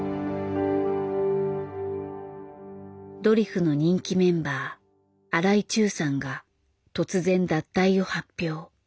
ドリフの人気メンバー荒井注さんが突然脱退を発表。